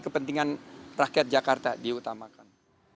kepentingan rakyat jakarta diutamakan